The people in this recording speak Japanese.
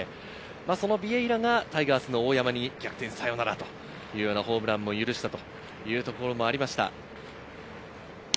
そのビエイラがタイガースの大山に逆転サヨナラというようなホームランも許したというところもありました。